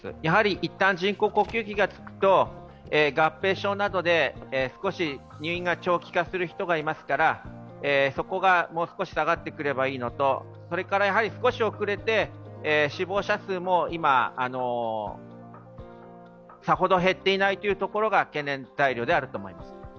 一旦、人工呼吸器になると、合併症などで入院が長期化する人がいますから、そこがもう少し下がってくればいいのとそれからやはり少し遅れて死亡者数も今、さほど減っていないところが懸念材料であると思います。